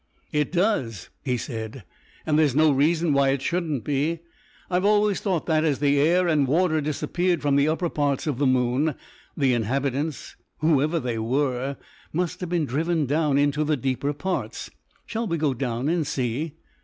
"It does," he said, "and there's no reason why it shouldn't be. I've always thought that, as the air and water disappeared from the upper parts of the moon, the inhabitants, whoever they were, must have been driven down into the deeper parts. Shall we go down and see?"